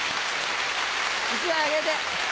１枚あげて。